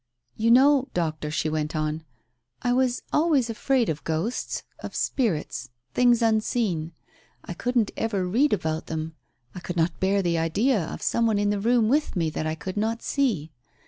"You know, Doctor," she went on, "I was always afraid of ghosts — of spirits — things unseen. I couldn't ever read about them. I could not bear the idea of some one in the room with me that I could not see.